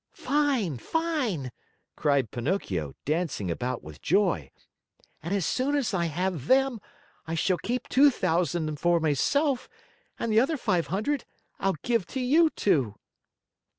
"Fine! Fine!" cried Pinocchio, dancing about with joy. "And as soon as I have them, I shall keep two thousand for myself and the other five hundred I'll give to you two."